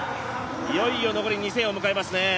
いよいよ残り２０００を迎えますね。